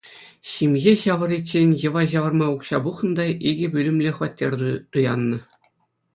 Ҫемье ҫавӑриччен йӑва ҫавӑрма укҫа пухнӑ та икӗ пӳлӗмлӗ хваттер туяннӑ.